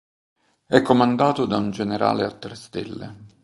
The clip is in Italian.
È comandato da un generale a tre stelle.